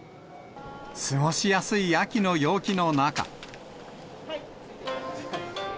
過ごしやすい秋の陽気の中。